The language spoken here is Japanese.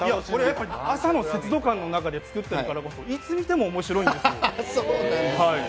やっぱり朝の節度感の中で作っているからいつ見ても面白いんですよ。